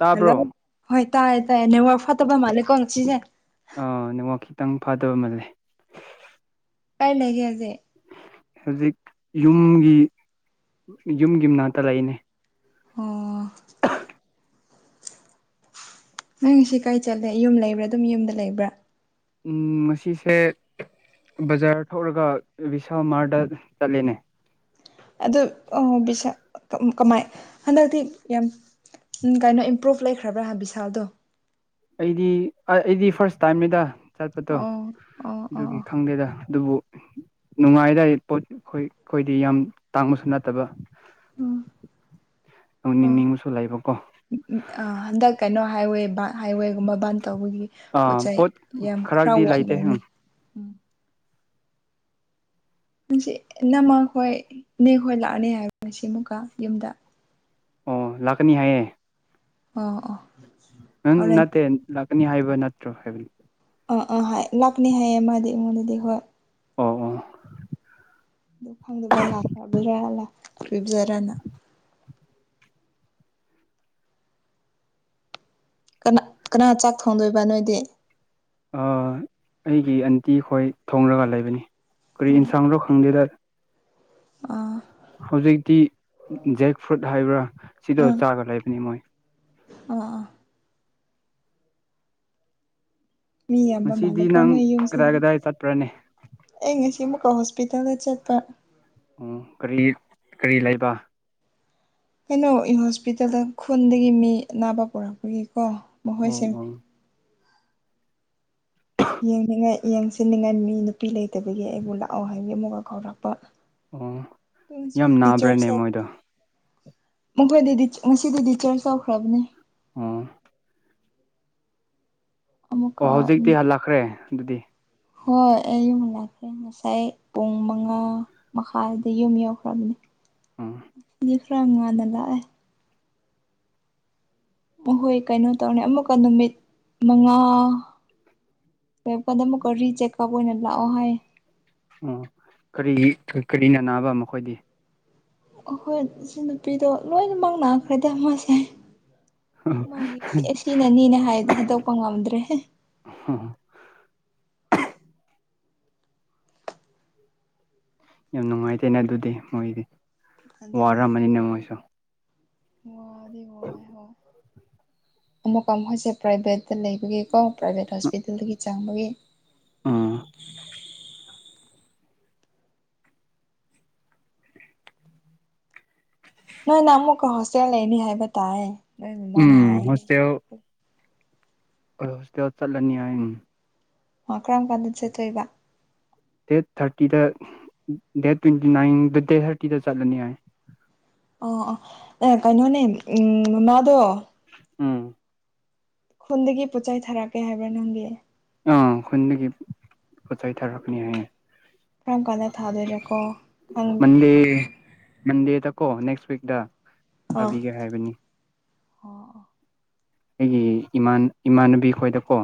ꯇꯥꯕ꯭ꯔꯣ ꯍꯜꯂꯣ ꯍꯣꯏ ꯇꯥꯏꯌꯦ ꯇꯥꯏꯌꯦ ꯅꯦꯠꯋꯥꯔꯛ ꯐꯠꯇꯕ ꯃꯥꯜꯂꯦꯀꯣ ꯉꯁꯤꯁꯦ ꯑꯥ ꯅꯦꯠꯋꯥꯛ ꯈꯤꯇꯪ ꯐꯇꯕ ꯃꯥꯜꯂꯦ ꯀꯥꯏ ꯂꯩꯒꯦ ꯍꯨꯖꯤꯛ ꯍꯧꯖꯤꯛ ꯌꯨꯝꯒꯤ ꯌꯨꯝꯒꯤ ꯃꯅꯥꯛꯇ ꯂꯩꯅꯦ ꯑꯣ ꯅꯪ ꯉꯁꯤ ꯀꯥꯏ ꯆꯠꯂꯦ ꯌꯨꯝ ꯂꯩꯕ꯭ꯔꯥ ꯑꯗꯨꯝ ꯌꯨꯝꯗ ꯂꯩꯕ꯭ꯔꯥ ꯎꯝ ꯉꯁꯤꯁꯦ ꯕꯖꯥꯔ ꯊꯣꯛꯔꯒ ꯕꯤꯁꯥꯃꯥꯔꯗ ꯆꯠꯂꯦꯅꯦ ꯑꯗꯨ ꯑꯥ ꯕꯤꯁꯥꯜ ꯀ ꯀꯃꯥꯏ ꯍꯟꯗꯛꯇꯤ ꯌꯥꯝ ꯎꯝ ꯀꯩꯅꯣ ꯏꯝꯄ꯭ꯔꯨꯚ ꯂꯩꯈ꯭ꯔꯕ꯭ꯔꯥ ꯍꯥ ꯚꯤꯁꯥꯜꯗꯣ ꯑꯩꯗꯤ ꯑ-ꯑꯩꯗꯤ ꯐꯥꯔꯁ ꯇꯥꯏꯝꯅꯤꯗ ꯆꯠꯄꯗꯣ ꯑꯣ ꯑꯣ ꯑꯗꯨꯒꯤ ꯑꯣ ꯈꯪꯗꯦꯗ ꯑꯗꯨꯕꯨ ꯅꯨꯡꯉꯥꯏꯗꯥꯏ ꯄꯣꯠ ꯍꯣꯏ ꯈꯣꯏꯗꯤ ꯌꯥꯝ ꯇꯥꯡꯕꯁꯨ ꯅꯠꯇꯕ ꯎꯝ ꯇꯧꯅꯤꯡ ꯑꯣ ꯅꯤꯡꯕꯁꯨ ꯂꯩꯕꯀꯣ ꯍꯟꯗꯛ ꯀꯩꯅꯣ ꯍꯥꯏꯋꯦ ꯄ ꯍꯥꯏꯋꯦꯒꯨꯝꯕ ꯕꯟ ꯇꯧꯕꯒꯤ ꯑꯥ ꯄꯣꯠꯆꯩ ꯄꯣꯠ ꯌꯥꯝ ꯈꯔ ꯈꯔꯗꯤ ꯂꯩꯇꯦ ꯋꯥꯠꯂꯅꯤ ꯎꯝ ꯎꯝ ꯉꯁꯤ ꯅꯃꯈꯣꯏ ꯏꯅꯦ ꯍꯣꯏ ꯂꯥꯛꯑꯅꯤ ꯍꯥꯏ ꯉꯁꯤ ꯃꯨꯛꯀ ꯌꯨꯝꯗ ꯑꯣ ꯂꯥꯛꯀꯅꯤ ꯍꯥꯏꯌꯦ ꯑꯣ ꯑꯣ ꯎꯡ ꯍꯣꯔꯦꯟ ꯅꯠꯇꯦ ꯂꯥꯛꯀꯅꯤ ꯍꯥꯏꯕ ꯅꯠꯇ꯭ꯔꯣ ꯍꯥꯏꯕꯅꯤ ꯑꯥ ꯑꯥ ꯍꯥꯏ ꯂꯥꯛꯅꯤ ꯍꯥꯏꯌꯦ ꯃꯥꯗꯤ ꯑꯩꯉꯣꯟꯗꯗꯤ ꯍꯣꯏ ꯑꯣ ꯑꯣ ꯗꯨ [unintelligible] ꯀꯅꯥ ꯀꯅꯥ ꯆꯥꯛ ꯊꯣꯡꯗꯣꯏꯕ ꯅꯣꯏꯗꯤ ꯑꯥ ꯑꯩꯒꯤ ꯑꯟꯇꯤ ꯈꯣꯏ ꯊꯣꯡꯂꯒ ꯂꯩꯕꯅꯤ ꯀꯔꯤ ꯑꯥ ꯏꯟꯁꯥꯡꯗꯣ ꯈꯪꯗꯦꯗ ꯑꯥ ꯍꯧꯖꯤꯛꯇꯤ ꯖꯦꯛ ꯐ꯭ꯔꯨꯠ ꯍꯥꯏꯕ꯭ꯔꯥ ꯁꯤꯗꯣ ꯆꯥꯒ ꯂꯩꯕꯅꯤ ꯃꯣꯏ ꯑꯣ ꯑꯣ ꯃꯤ ꯌꯝꯕ ꯉꯁꯤꯗꯤ ꯃꯥꯜꯂꯦꯀꯣ ꯅꯪ ꯅꯣꯏ ꯌꯨꯝꯁꯦ ꯀꯗꯥꯏ ꯀꯗꯥꯏ ꯆꯠꯄ꯭ꯔꯅꯦ ꯑꯦ ꯉꯁꯤ ꯃꯨꯛ ꯀꯣ ꯍꯣꯁꯄꯤꯇꯥꯜꯗ ꯆꯠꯄ ꯎꯪ ꯀꯔꯤ ꯀꯔꯤ ꯂꯩꯕ ꯀꯩꯅꯣ ꯑꯩ ꯍꯣꯁꯄꯤꯇꯥꯜꯗ ꯈꯨꯟꯗꯒꯤ ꯃꯤ ꯑꯅꯥꯕ ꯄꯨꯔꯛꯄꯒꯤ ꯀꯣ ꯑꯣ ꯃꯍꯣꯏꯁꯤꯝ ꯑꯣ ꯌꯦꯡꯅꯤꯡꯉꯥꯏ ꯌꯦꯡꯁꯤꯟꯅꯤꯡꯉꯥꯏ ꯃꯤ ꯅꯨꯄꯤ ꯂꯩꯇꯕꯒꯤ ꯑꯩꯕꯨ ꯂꯥꯛꯑꯣ ꯍꯥꯏꯕꯒꯤ ꯑꯃꯨꯛꯀ ꯀꯧꯔꯛꯄ ꯑꯣ ꯌꯥꯝ ꯉꯁꯤꯗꯤ ꯅꯥꯕ꯭ꯔꯅꯦ ꯗꯤꯁꯆꯥꯔ꯭ꯖ ꯃꯣꯏꯗꯣ [unintelligible] ꯃꯈꯣꯏꯗꯤ ꯗꯤ ꯉꯁꯤꯗꯤ ꯗꯤꯁꯆꯥꯔꯆ ꯇꯧꯈ꯭ꯔꯕꯅꯦ ꯑꯣ ꯑꯃꯨꯛꯀ ꯑꯣ ꯍꯧꯖꯤꯛꯇꯤ ꯍꯜꯂꯛꯈ꯭ꯔꯦ ꯑꯗꯨꯗꯤ ꯍꯣꯏ ꯑꯩ ꯌꯨꯝ ꯍꯛꯂꯛꯈ꯭ꯔꯦ ꯉꯁꯥꯏ ꯄꯨꯡ ꯃꯉꯥ ꯃꯈꯥꯏꯗ ꯌꯨꯝ ꯌꯧꯈ꯭ꯔꯕꯅꯦ ꯑꯝ [unintelligible] ꯂꯥꯛꯑꯦ ꯎꯝꯍꯣꯏ ꯀꯩꯅꯣ ꯇꯧꯅꯤ ꯑꯃꯨꯛꯀ ꯅꯨꯃꯤꯠ ꯃꯉꯥ ꯍꯌꯦꯡ ꯀꯣꯟꯅ ꯔꯤ ꯆꯦꯛ ꯇꯧꯕ ꯑꯣꯏꯅ ꯂꯥꯛꯑꯣ ꯍꯥꯏꯌꯦ ꯑꯣꯀꯔꯤ ꯀꯔꯤꯅ ꯅꯥꯕ ꯃꯈꯣꯏꯗꯤ ꯑꯈꯣꯏ ꯁꯤ ꯅꯨꯄꯤꯗꯣ ꯂꯣꯏꯅꯃꯛ ꯅꯥꯈ꯭ꯔꯗꯤ ꯃꯥꯁꯦ ꯃꯥꯒꯤ ꯁꯤ ꯑꯁꯤꯅꯅꯤꯅꯦ ꯍꯥꯏꯗꯤ ꯍꯥꯏꯗꯣꯛꯄ ꯉꯝꯗ꯭ꯔꯦ ꯑꯣ ꯌꯥꯝ ꯅꯨꯡꯉꯥꯏꯇꯦꯅ ꯑꯗꯨꯗꯤ ꯃꯣꯏꯗꯤ ꯑꯗꯨꯅꯦ ꯋꯥꯔꯝꯃꯅꯤꯅ ꯃꯣꯏꯁꯨ ꯋꯥꯗꯤ ꯋꯥꯏ ꯍꯣꯏ ꯑꯃꯨꯛꯀ ꯃꯣꯏꯁꯦ ꯄ꯭ꯔꯥꯏꯚꯦꯠꯇ ꯂꯩꯕꯒꯤ ꯀꯣ ꯄ꯭ꯔꯥꯏꯚꯦꯠ ꯍꯣꯁꯄꯤꯇꯥꯜꯗꯒꯤ ꯆꯥꯡꯕꯒꯤ ꯑꯝ ꯅꯣꯏꯅ ꯃꯨꯛꯀ ꯍꯣꯁꯇꯦꯜ ꯂꯩꯅꯤ ꯍꯥꯏꯕ ꯇꯥꯏꯑꯦ ꯎꯝ ꯍꯣꯁꯇꯦꯜ ꯑꯈꯣꯏ ꯍꯣꯁꯇꯦꯜ ꯆꯠꯂꯅꯤ ꯍꯥꯏꯅꯦ ꯃꯥ ꯀꯔꯝ ꯀꯥꯟꯗ ꯆꯠ ꯇꯣꯏꯕ ꯗꯦꯠ ꯊꯥꯔꯇꯤꯗ ꯗꯦꯠ ꯇ꯭ꯋꯦꯟꯇꯤ ꯅꯥꯏꯟꯗ ꯗꯦꯠ ꯊꯥꯔꯇꯤꯗ ꯆꯠꯂꯅꯤ ꯍꯥꯏ ꯑꯣ ꯑꯣ ꯑꯦ ꯀꯩꯅꯣꯅꯦ ꯎꯝ ꯃꯃꯥꯗꯣ ꯎꯝ ꯈꯨꯟꯗꯒꯤ ꯄꯣꯠꯆꯩ ꯊꯥꯔꯛꯀꯦ ꯍꯥꯏꯕ꯭ꯔꯥ ꯅꯪꯒꯤ ꯑꯥ ꯈꯨꯟꯗꯒꯤ ꯄꯣꯠ ꯆꯩ ꯊꯥꯔꯛꯀꯅꯤ ꯍꯥꯏꯌꯦ ꯀꯔꯝ ꯀꯥꯟꯗ ꯊꯥꯗꯣꯏꯔꯀꯣ ꯈꯪ ꯃꯟꯗꯦꯗ ꯀꯣ ꯅꯦꯛꯁ ꯋꯤꯛꯇ ꯑꯥ ꯊꯥꯕꯤꯒꯦ ꯍꯥꯏꯕꯅꯤ ꯑꯣ ꯑꯩꯒꯤ ꯏꯃꯥꯟ ꯏꯃꯥꯟꯅꯕꯤ ꯈꯣꯏꯗꯀꯣ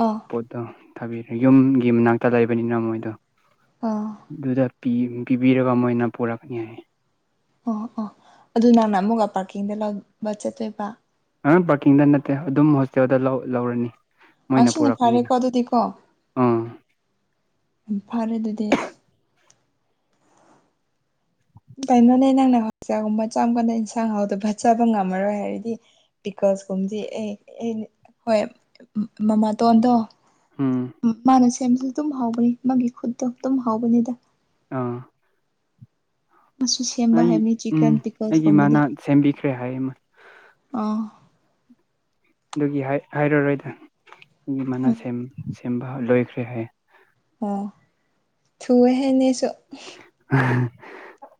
ꯑꯥ ꯄꯣꯠꯇꯣ ꯊꯥꯕꯤꯈ꯭ꯔꯦ ꯌꯨꯝꯒꯤ ꯃꯅꯥꯛꯇ ꯂꯩꯕꯅꯤꯅ ꯃꯣꯏꯗꯣ ꯑꯥ ꯑꯗꯨꯗ ꯄꯤ ꯄꯤꯕꯤꯔꯒ ꯃꯣꯏꯅ ꯄꯨꯔꯛꯀꯅꯤ ꯍꯥꯏ ꯑꯣ ꯑꯣ ꯑꯗꯨ ꯅꯪꯅ ꯑꯃꯨꯛꯒ ꯄꯥꯔꯀꯤꯡꯗ ꯂꯧꯕ ꯆꯠꯇꯣꯏꯕ ꯑꯪ ꯄꯥꯔꯀꯤꯡꯗ ꯅꯠꯇꯦ ꯑꯗꯨꯝ ꯍꯣꯁꯇꯦꯜꯗ ꯂꯧꯔꯅꯤ ꯃꯣꯏꯅ ꯑꯁꯤꯅ ꯐꯔꯦ ꯄꯨꯔꯛꯀꯅꯤꯅ ꯀꯣ ꯑꯗꯨꯗꯤ ꯀꯣ ꯑꯥ ꯐꯅꯤ ꯑꯗꯨꯗꯤ ꯀꯩꯅꯣꯅꯦ ꯅꯪꯅ ꯍꯣꯁꯇꯦꯜꯒꯨꯝꯕ ꯆꯪꯕꯗ ꯏꯟꯁꯥꯡ ꯍꯥꯎꯇꯕ ꯆꯥꯕ ꯉꯝꯃꯔꯣꯏ ꯍꯥꯏꯔꯗꯤ ꯕꯤꯀꯣ ꯕꯁ ꯀꯨꯝꯗꯤ ꯑꯩ ꯑꯩ ꯍꯣꯏ ꯃꯃꯥꯇꯣꯟꯗꯣ ꯎꯝ ꯃꯥꯅ ꯁꯦꯝꯕꯁꯨ ꯑꯗꯨꯝ ꯍꯥꯎꯕꯅꯤ ꯃꯥꯒꯤ ꯈꯨꯠꯇꯣ ꯑꯗꯨꯝ ꯍꯥꯎꯕꯅꯤꯗ ꯑꯥ ꯃꯁꯨ ꯁꯦꯝꯕ ꯑꯩ ꯍꯩꯕꯅꯤ ꯎꯝ ꯆꯤꯛꯀꯟ ꯑꯩꯒꯤ ꯄꯤꯛꯀꯜꯁꯀꯨꯝꯕꯗꯤ ꯏꯃꯥꯅ ꯁꯦꯝꯕꯤꯈ꯭ꯔꯦ ꯍꯥꯏꯌꯦ ꯑꯥ ꯑꯗꯨꯒꯤ ꯍꯥꯏ ꯍꯥꯢꯔꯔꯣꯏꯗ ꯗꯨꯒꯤ ꯃꯅꯥ ꯁꯦꯝ ꯁꯦꯝꯕ ꯂꯣꯏꯈ꯭ꯔꯦ ꯍꯥꯏ ꯑꯣ ꯊꯨꯑꯦꯍꯦ ꯏꯅꯦꯁꯨ ꯑꯍ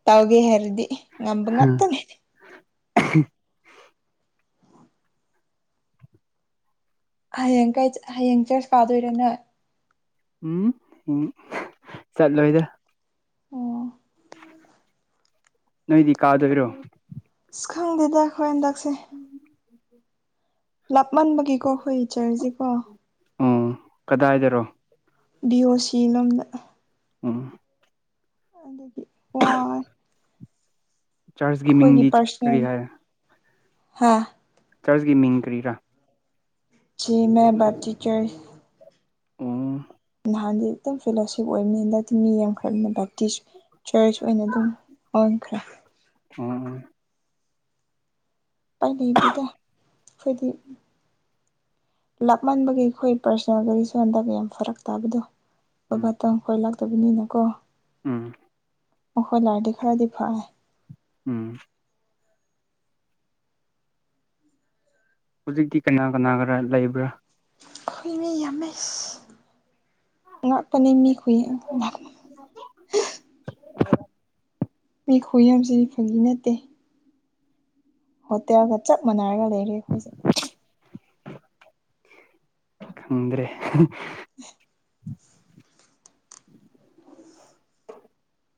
ꯇꯧꯒꯦ ꯍꯥꯏꯔꯗꯤ ꯉꯝꯕ ꯉꯥꯛꯇꯅꯦ ꯑꯍ ꯍꯌꯦꯡ ꯀꯥꯢ ꯍꯌꯦꯡ ꯆꯔꯁ ꯀꯥꯗꯣꯏꯔ ꯅꯣꯢ ꯎꯝ ꯎ ꯆꯠꯂꯣꯏꯗ ꯑꯣ ꯅꯣꯏꯗꯤ ꯀꯥꯗꯣꯏꯔꯣ ꯑꯁ ꯈꯪꯗꯦꯗ ꯑꯩꯈꯣꯏ ꯍꯟꯗꯛꯁꯦ ꯂꯥꯞꯃꯟꯕꯒꯤꯀꯣ ꯑꯈꯣꯏ ꯆꯔꯁꯤꯀꯣ ꯎꯝ ꯀꯗꯥꯏꯗꯔꯣ ꯕꯤ ꯑꯣ ꯁꯤ ꯂꯣꯝꯗ ꯑꯣ ꯑꯗꯨꯒꯤ ꯋꯥꯏ ꯆꯥꯔꯆꯀꯤ ꯑꯩꯈꯣꯏꯒꯤ ꯃꯤꯡꯗꯤ ꯀꯔꯤ ꯄꯥꯔꯁꯣꯅꯦꯜ ꯍꯥꯏꯔꯦ ꯍꯥ ꯆꯔꯆꯀꯤ ꯃꯤꯡ ꯀꯔꯤꯔꯥ ꯁꯤ ꯑꯦꯝ ꯑꯦ ꯕꯥꯔꯇꯤ ꯆꯔꯆ ꯎꯝ ꯅꯍꯥꯟꯗꯤ ꯑꯗꯨꯝ ꯐꯦꯂꯣꯁꯤꯞ ꯑꯣꯏꯕꯅꯦ ꯍꯟꯗꯛꯇꯤ ꯃꯤ ꯌꯥꯝꯈ꯭ꯔꯥꯕꯅꯤꯅ ꯕꯇꯤꯁ ꯆꯔꯁ ꯑꯣꯏꯅ ꯑꯗꯨꯝ ꯑꯣꯟꯈ꯭ꯔꯦ ꯎꯝ ꯎꯄꯥꯢ ꯂꯩꯩꯇꯦꯗ ꯑꯩꯈꯣꯏꯗꯤ ꯂꯥꯛꯃꯟꯕꯒꯤ ꯑꯩꯈꯣꯏ ꯄꯥꯔꯁꯣꯅꯦꯜ ꯒꯥꯔꯤꯁꯨ ꯍꯟꯗꯛ ꯌꯥꯝ ꯐꯔꯛ ꯇꯥꯕꯗꯣ ꯎꯝ ꯕꯕꯥꯇꯣ ꯑꯩꯈꯣꯏ ꯂꯥꯛ ꯐꯠꯇꯕꯅꯤꯅꯀꯣ ꯎꯝ ꯃꯈꯣꯢ ꯂꯥꯔꯗꯤ ꯈꯔꯗꯤ ꯐꯔꯦ ꯎꯝ ꯍꯨꯖꯤꯛꯇꯤ ꯀꯅꯥ ꯀꯅꯥꯒꯔ ꯂꯩꯕ꯭ꯔꯥ ꯑꯈꯣꯏ ꯃꯤ ꯌꯥꯝꯃꯦꯁ ꯉꯥꯛꯄꯅꯤ ꯃꯤ ꯈꯨꯌꯦ ꯃꯤ ꯈꯨꯌꯥꯝꯁꯤꯔꯤ ꯐꯒꯤ ꯅꯠꯇꯦ ꯍꯣꯇꯦꯜꯒ ꯆꯞ ꯃꯥꯟꯅꯔꯒ ꯂꯩꯔꯦ ꯑꯩꯈꯣꯏꯁꯦ ꯈꯪꯗ꯭ꯔꯦ ꯍ [inaudible]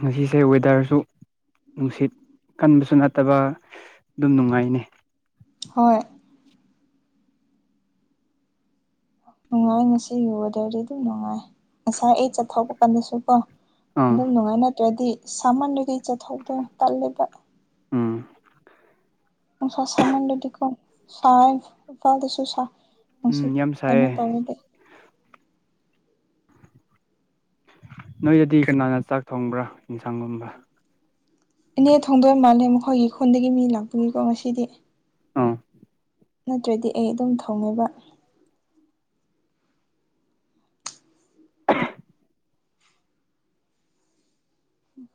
ꯉꯁꯤꯁꯦ ꯋꯦꯗꯔꯁꯨ ꯅꯨꯡꯁꯤꯠ ꯀꯟꯕꯁꯨ ꯅꯠꯇꯕ ꯑꯗꯨꯝ ꯅꯨꯡꯉꯥꯏꯅꯤ ꯍꯣꯏ ꯅꯨꯡꯉꯥꯏꯌꯦ ꯉꯁꯤ ꯋꯦꯗ꯭ꯔꯗꯤ ꯑꯗꯨꯝ ꯅꯨꯡꯉꯥꯏ ꯉꯁꯥꯏ ꯑꯩ ꯆꯠꯊꯣꯛꯄ ꯀꯥꯟꯗꯁꯨ ꯀꯣ ꯑꯥ ꯑꯗꯨꯝ ꯅꯨꯡꯉꯥꯏ ꯅꯇ꯭ꯔꯗꯤ ꯁꯥꯃꯟꯔꯗꯤ ꯆꯠꯊꯣꯛꯄ ꯇꯜꯂꯦꯗ ꯎꯝ ꯅꯨꯡꯁꯥ ꯁꯥꯃꯟꯔꯗꯤ ꯀꯣ ꯁꯥꯏꯌꯦ ꯃꯄꯥꯟꯗꯁꯨ ꯁꯥꯏ ꯃꯁꯤ ꯎꯝ ꯌꯥꯝ ꯀꯩꯅꯣ ꯁꯥꯏꯌꯦ ꯇꯧꯔꯗꯤ ꯅꯣꯏꯗꯗꯤ ꯀꯅꯥꯅ ꯆꯥꯛ ꯊꯣꯡꯕ꯭ꯔꯥ ꯏꯟꯁꯥꯡꯒꯨꯝꯕ ꯏꯅꯦ ꯊꯣꯡꯗꯣꯏ ꯃꯥꯜꯂꯦ ꯃꯈꯣꯏꯒꯤ ꯈꯨꯟꯗꯒꯤ ꯃꯤ ꯂꯥꯛꯄꯒꯤꯀꯣ ꯉꯁꯤꯗꯤ ꯑꯥ ꯅꯠꯇ꯭ꯔꯗꯤ ꯑꯩ ꯑꯗꯨꯝ ꯊꯣꯡꯉꯦꯕ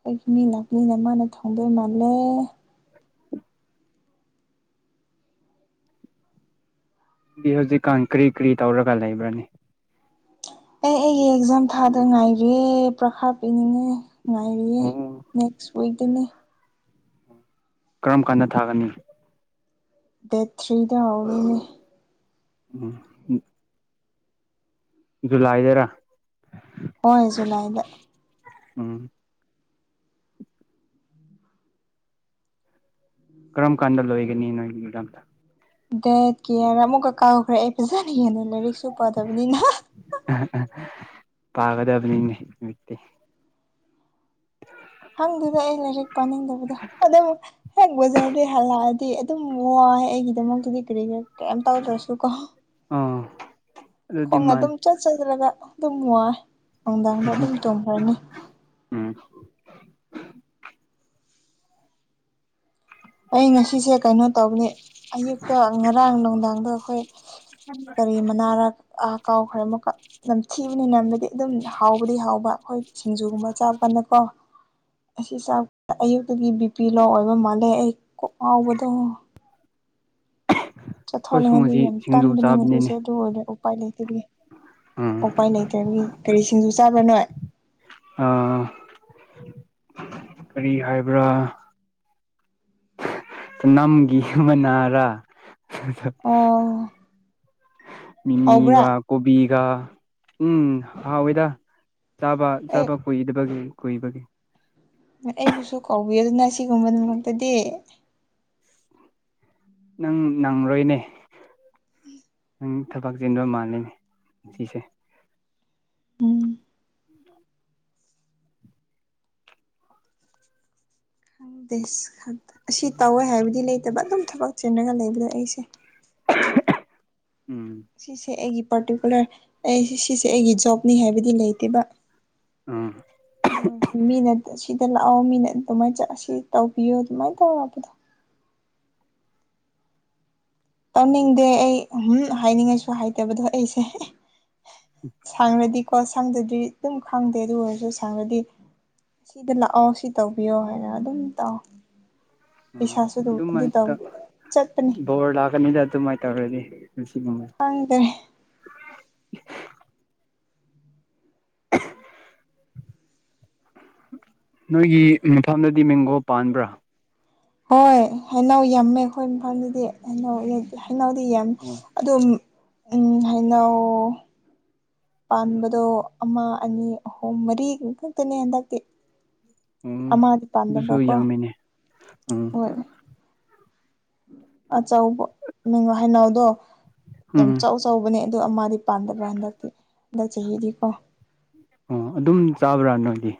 ꯑꯩꯒꯤ ꯃꯤ ꯂꯥꯛꯄꯅꯤꯅ ꯃꯥꯅ ꯊꯣꯡꯗꯣꯏ ꯃꯥꯜꯂꯦ ꯗꯤ ꯍꯧꯖꯤꯛꯀꯥꯟ ꯀꯔꯤ ꯀꯔꯤ ꯇꯧꯔꯒ ꯂꯩꯕ꯭ꯔꯅꯦ ꯑꯦ ꯑꯩꯒꯤ ꯑꯦꯛꯖꯥꯝ ꯊꯥꯗꯨꯏ ꯉꯥꯏꯔꯤ ꯄ꯭ꯔꯈꯥ ꯄꯤꯅꯤꯡꯉꯦ ꯉꯥꯏꯔꯤꯌꯦ ꯑꯣ ꯅꯦꯛꯁ ꯋꯤꯛꯗꯅꯦ ꯀꯔꯝ ꯀꯥꯟꯗ ꯊꯥꯒꯅꯤ ꯗꯦꯠ ꯊ꯭ꯔꯤꯗ ꯍꯧꯗꯨꯏꯅꯦ ꯎꯝ ꯖꯨꯂꯥꯏꯗꯔ ꯍꯣꯏ ꯖꯨꯅꯥꯏꯗ ꯎꯝ ꯀꯔꯝ ꯀꯥꯟꯗ ꯂꯣꯏꯒꯅꯤ ꯅꯣꯏꯒꯤ ꯏꯛꯖꯥꯝꯗꯣ ꯗꯦꯠ ꯀꯤꯌꯥꯔ ꯑꯃꯨꯛꯀ ꯀꯥꯎꯈ꯭ꯔꯦ ꯑꯩ ꯐꯖꯅ ꯌꯦꯡꯗꯦ ꯂꯥꯏꯔꯤꯛꯁꯨ ꯄꯥꯗꯕꯅꯤꯅ ꯄꯥꯒꯗꯕꯅꯤꯅꯦ ꯅꯨꯏꯇꯤ ꯈꯪꯗꯨꯗ ꯑꯩ ꯂꯥꯏꯔꯤꯛ ꯄꯥꯅꯤꯡꯗꯕꯗ ꯑꯗꯨ ꯍꯦꯛ ꯕꯖꯥꯔꯗꯩ ꯍꯜꯂꯛꯑꯗꯤ ꯑꯗꯨꯝ ꯋꯥꯏꯌꯦ ꯑꯩꯒꯤꯗꯃꯛꯇꯗꯤ ꯀꯔꯤꯔ ꯀꯦꯝ ꯇꯧꯗ꯭ꯔꯁꯨꯨ ꯀꯣ ꯑꯥ ꯑꯗꯨꯗꯤ ꯈꯣꯡꯅ ꯃꯥꯅꯤ ꯑꯗꯨꯝ ꯆꯠ ꯆꯠꯂꯒ ꯑꯗꯨꯝ ꯋꯥꯏ ꯅꯨꯡꯗꯥꯡꯗ ꯑꯗꯨꯝ ꯇꯨꯝꯈ꯭ꯔꯅꯤ ꯎꯝ ꯑꯩ ꯉꯁꯤꯁꯦ ꯀꯩꯅꯣ ꯇꯧꯕꯅꯤ ꯑꯌꯨꯛꯇ ꯉꯔꯥꯡ ꯅꯨꯡꯗꯥꯡꯗꯣ ꯑꯩꯈꯣꯏ ꯀꯔꯤ ꯃꯅꯥꯔ ꯑꯥ ꯀꯥꯎꯈ꯭ꯔꯦ ꯑꯃꯨꯛꯀ ꯅꯝꯊꯤꯕꯅꯤ ꯅꯝꯕꯗꯤ ꯑꯗꯨꯝ ꯍꯥꯎꯕꯗꯤ ꯍꯥꯎꯕ ꯑꯩꯈꯣꯏ ꯁꯤꯡꯖꯨꯒꯨꯝꯕ ꯆꯥꯕꯀꯥꯟꯗꯀꯣ ꯑꯁꯤ ꯆꯥꯛ ꯑꯌꯨꯛꯇꯒꯤ ꯕꯤꯄꯤ ꯂꯣ ꯑꯣꯏꯕ ꯃꯥꯜꯂꯦ ꯑꯩ ꯀꯣꯛꯉꯥꯎꯕꯗꯣ ꯑꯩꯈꯣꯏꯁꯨ ꯉꯁꯤ ꯆꯠꯊꯣꯛꯅꯤꯡꯉꯥꯏꯗꯤ ꯌꯥꯝ ꯁꯤꯡꯖꯨ ꯇꯟꯕꯅꯤ ꯉꯁꯤꯁꯦ ꯆꯥꯕꯅꯤꯅꯦ ꯑꯗꯨ ꯑꯣꯏꯔꯗꯤ ꯎꯄꯥꯏ ꯂꯩꯇꯕꯒꯤ ꯎꯝ ꯎꯄꯥꯏ ꯂꯩꯇ꯭ꯔꯕꯒꯤ ꯀꯔꯤ ꯁꯤꯡꯖꯨ ꯆꯥꯕ꯭ꯔꯥ ꯅꯣꯏ ꯑ ꯀꯔꯤ ꯍꯥꯏꯕ꯭ꯔꯥ ꯎꯅꯝꯒꯤ ꯃꯅꯥꯔ ꯑꯣ ꯍꯧꯕ꯭ꯔꯥ ꯃꯤꯃꯤꯒ ꯀꯣꯕꯤꯒ ꯎꯝ ꯍꯥꯎꯋꯦꯗ ꯆꯥꯕ ꯑꯩ ꯆꯥꯕ ꯀꯨꯏꯗꯕꯒꯤ ꯀꯨꯏꯕꯒꯤ ꯑꯩꯕꯨꯁꯨ ꯀꯥꯎꯕꯤꯋꯣꯅ ꯑꯁꯤꯒꯨꯝꯕ ꯅꯨꯃꯤꯠꯇꯗꯤ ꯅꯪ ꯅꯪꯔꯣꯏꯅꯦ ꯅꯪ ꯊꯕꯛ ꯆꯤꯟꯕ ꯃꯥꯜꯂꯤꯅꯦ ꯉꯁꯤꯁꯦ ꯎꯝ ꯏꯁ ꯑꯁꯤ ꯇꯧꯋꯦ ꯍꯥꯏꯕꯗꯤ ꯂꯩꯇꯕ ꯑꯗꯨꯝ ꯊꯕꯛ ꯆꯤꯟꯔꯒ ꯂꯩꯕꯗꯣ ꯑꯩꯁꯦ ꯎꯝ ꯁꯤꯁꯦ ꯑꯩꯒꯤ ꯄꯥꯔꯇꯤꯀꯨꯂꯔ ꯑꯩ ꯁꯤꯁꯦ ꯑꯩꯒꯤ ꯖꯣꯕꯅꯤ ꯍꯥꯏꯕꯗꯤ ꯂꯩꯇꯦꯕ ꯎꯝ ꯑꯗꯨꯑꯣꯢꯁꯨ ꯃꯤꯅ ꯑꯁꯤ ꯗ ꯂꯥꯛꯑꯣ ꯃꯤꯅ ꯑꯗꯨꯃꯥꯏ ꯆꯠ ꯑꯁꯤ ꯇꯧꯕꯤꯌꯣ ꯑꯗꯨꯃꯥꯏꯅ ꯇꯧꯕꯗ ꯇꯧꯅꯤꯡꯗꯦ ꯑꯩ ꯎꯝ ꯍꯥꯏꯅꯤꯡꯉꯥꯏꯁꯨ ꯍꯥꯏꯇꯕꯗꯣ ꯑꯩꯁꯦ ꯁꯪꯔꯗꯤꯀꯣ ꯁꯪꯗ꯭ꯔꯗꯤ ꯑꯗꯨꯝ ꯈꯪꯗꯦ ꯑꯗꯨ ꯑꯣꯏꯔꯁꯨ ꯁꯪꯔꯗꯤ ꯁꯤꯗ ꯂꯥꯛꯑꯣ ꯁꯤ ꯇꯧꯕꯤꯌꯣ ꯍꯥꯏꯅ ꯑꯗꯨꯝ ꯇꯥꯎ ꯎꯝ ꯑꯗꯨꯃꯥꯏ ꯇ ꯆꯠꯄꯅꯤ ꯕꯣꯔ ꯂꯥꯛꯀꯅꯤꯗ ꯑꯗꯨꯃꯥꯏ ꯇꯧꯔꯗꯤ ꯉꯁꯤꯒꯨꯝꯕ ꯈꯪꯗꯦ ꯅꯣꯏꯒꯤ ꯃꯐꯝꯗꯗꯤ ꯃꯦꯡꯒꯣ ꯄꯥꯟꯕ꯭ꯔꯥ ꯍꯣꯏ ꯍꯩꯅꯧ ꯌꯥꯝꯃꯦ ꯑꯩꯈꯣꯏ ꯃꯐꯝꯗꯗꯤ ꯍꯩꯅꯧ ꯍꯩꯅꯧꯗꯤ ꯌꯥꯝ ꯑꯣ ꯑꯗꯨꯝ ꯍꯩꯅꯧ ꯄꯥꯟꯕꯗꯣ ꯑꯃ ꯑꯅꯤ ꯑꯍꯨꯝ ꯃꯔꯤ ꯈꯛꯇꯅꯦ ꯍꯟꯗꯛꯇꯤ ꯎꯝ ꯑꯃꯥꯗꯤ ꯄꯥꯟꯗꯕ ꯑꯗꯨꯁꯨ ꯀꯣ ꯌꯥꯝꯃꯤꯅꯦ ꯎꯝ ꯍꯣꯏ ꯑꯆꯧꯕ ꯅꯪ ꯍꯩꯅꯧꯗꯣ ꯌꯥꯝ ꯎꯝ ꯆꯥꯎ ꯆꯥꯎꯕꯅꯦ ꯑꯗꯨ ꯑꯃꯗꯤ ꯄꯥꯟꯗꯕ ꯍꯟꯗꯛꯇꯤ ꯍꯟꯗꯛ ꯆꯍꯤꯗꯤꯀꯣ ꯑꯣ ꯑꯗꯨꯝ ꯆꯥꯕ꯭ꯔꯥ ꯅꯣꯏꯗꯤ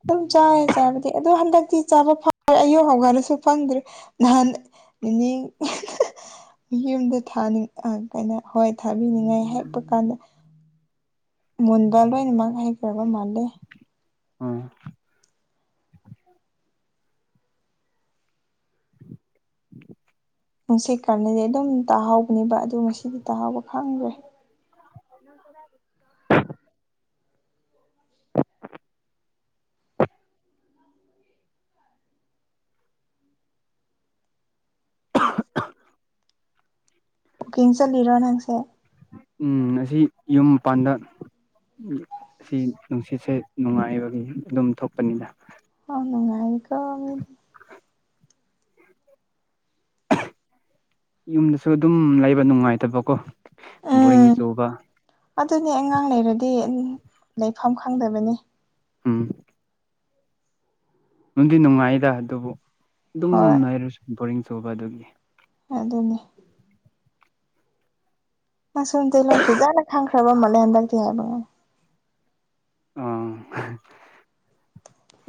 ꯑꯗꯨꯝ ꯆꯥꯏꯌꯦ ꯆꯥꯕꯗꯤ ꯑꯗꯣ ꯍꯟꯗꯛꯇꯤ ꯆꯥꯕ ꯐꯪꯗ꯭ꯔꯦ ꯑꯌꯨꯛ ꯍꯧꯒꯠꯂꯁꯨ ꯐꯪꯗ꯭ꯔꯦ ꯅꯥꯍꯟ ꯅꯤꯅꯤꯡ ꯌꯨꯝꯗ ꯊꯥꯅꯤꯡ ꯑ ꯀꯩꯅꯣ ꯍꯣꯏ ꯊꯥꯕꯤꯅꯤꯡꯉꯥꯏ ꯍꯦꯛꯄ ꯀꯥꯟꯗ ꯃꯨꯟꯕ ꯂꯣꯏꯅꯃꯛ ꯍꯦꯛꯈ꯭ꯔꯕ ꯃꯥꯜꯂꯦ ꯑꯝ [inaudible] ꯅꯨꯡꯁꯤ ꯀꯜꯂꯗꯤ ꯑꯗꯨꯝ ꯇꯥꯍꯧꯕꯅꯦꯕ ꯑꯗꯨ ꯉꯁꯤꯗꯤ ꯇꯥꯍꯧꯕ ꯈꯪꯗ꯭ꯔꯦ [inaudible] [inaudible] ꯑꯍ ꯍ ꯋꯀꯤꯡ ꯆꯠꯂꯤꯔꯣ ꯅꯪꯁꯦ ꯎꯝ ꯑꯁꯤ ꯌꯨꯝ ꯃꯄꯥꯟꯗ ꯁꯤ ꯅꯨꯡꯁꯤꯠꯁꯦ ꯅꯨꯡꯉꯥꯏꯕꯒꯤ ꯑꯗꯨꯝ ꯊꯣꯛꯄꯅꯤꯗ ꯑꯣ ꯅꯨꯡꯉꯥꯏꯑꯦꯀꯣ ꯃꯤꯗꯤ [inaudible] ꯌꯨꯝꯗꯁꯨ ꯑꯗꯨꯝ ꯂꯩꯕ ꯅꯨꯡꯉꯥꯏꯇꯕꯀꯣ ꯕꯣꯔꯤꯡ ꯎꯝ ꯆꯨꯕ ꯑꯗꯨꯅꯦ ꯑꯉꯥꯡ ꯂꯩꯔꯗꯤ ꯂꯩꯐꯝ ꯈꯪꯗꯕꯅꯦ ꯎꯝ ꯅꯨꯡꯗꯤ ꯅꯨꯡꯉꯥꯏꯗ ꯑꯗꯨꯕꯨ ꯑꯗꯨꯝ ꯂꯩꯔꯁꯨ ꯕꯣꯔꯤꯡ ꯆꯨꯕ ꯑꯗꯨꯒꯤ ꯑꯗꯨꯅꯦ ꯑꯁꯣꯝ ꯇꯂꯣ ꯐꯖꯅ ꯈꯪꯈ꯭ꯔꯕ ꯃꯥꯜꯂꯦ ꯍꯟꯗꯛꯇꯤ ꯍꯥꯏꯕ ꯑꯥ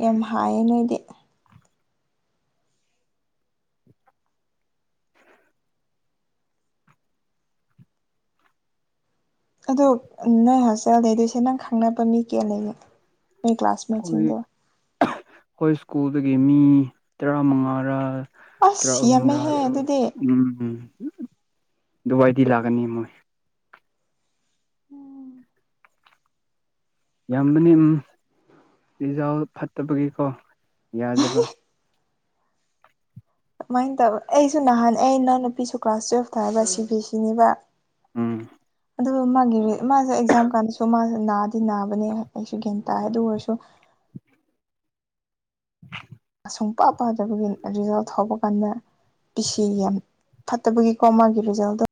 ꯌꯥꯝ ꯍꯥꯏꯌꯦ ꯅꯣꯏꯗꯤ ꯑꯗꯣ ꯅꯣꯏ ꯍꯣꯁꯇꯦꯜ ꯑꯦꯗꯤꯁꯟ ꯅꯪ ꯈꯪꯅꯕ ꯃꯤ ꯀꯌꯥ ꯂꯩꯑꯦ ꯅꯣꯢ ꯀ꯭ꯂꯥꯁꯃꯦꯠꯁꯤꯡꯗꯣ ꯈꯣꯏ ꯏꯁ꯭ꯀꯨꯜꯗꯒꯤ ꯃꯤ ꯇꯔꯥꯃꯉꯥꯔꯥ ꯇꯔꯥ ꯑꯁ ꯌꯥꯝꯃꯦꯍꯦ ꯑꯍꯨꯝꯔꯥꯗꯨ ꯑꯗꯨꯗꯤ ꯎꯝ ꯗꯨꯋꯥꯏꯗꯤ ꯂꯥꯛꯀꯅꯤ ꯃꯣꯏ ꯑꯝ ꯌꯥꯝꯕꯅꯤ ꯑꯝ ꯔꯤꯖꯜ ꯐꯠꯇꯕꯒꯤꯀꯣ ꯌꯥꯗꯕ ꯑꯗꯨꯃꯥꯏꯅ ꯇꯧꯋ ꯑꯩꯁꯨ ꯅꯍꯥꯟ ꯑꯩ ꯅꯎꯅꯨꯄꯤꯁꯨ ꯀ꯭ꯂꯥꯁ ꯇꯨꯋꯜꯐ ꯊꯥꯏꯕ ꯁꯤ ꯕꯤ ꯑꯦꯁ ꯁꯤꯅꯤꯕ ꯎꯝ ꯑꯗꯨꯒ ꯃꯥꯒꯤ ꯃꯥꯁꯦ ꯑꯦꯛꯖꯥꯝ ꯀꯥꯟꯗꯁꯨ ꯃꯥꯁꯦ ꯅꯥꯗꯤ ꯅꯥꯕꯅꯦ ꯑꯩꯁꯨ ꯒ꯭ꯌꯥꯟ ꯇꯥꯏ ꯑꯗꯨ ꯑꯣꯏꯔꯁꯨ [inaudible] ꯁꯨꯡꯄꯥ ꯄꯥꯗꯕꯒꯤ ꯔꯤꯖꯜ ꯊꯣꯛꯄ ꯀꯥꯟꯗ ꯄꯤꯁꯤ ꯌꯥꯝ ꯐꯠꯇꯕꯒꯤ ꯀꯣ ꯃꯥꯒꯤ ꯔꯤꯖꯜꯗꯣ